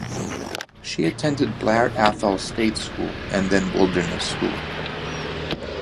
She attended Blair Athol State School and then Wilderness School.